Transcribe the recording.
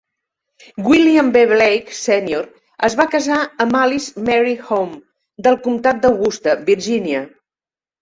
William B. Blake, Senior, es va casar amb Alice Mary Home, del comtat d'Augusta, Virgínia.